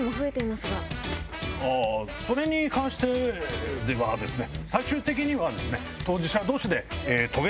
それに関してではですね。